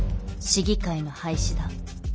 市議会の廃止だ。